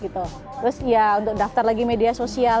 terus ya untuk daftar lagi media sosial